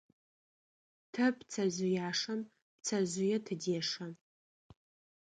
Тэ пцэжъыяшэм пцэжъые тыдешэ.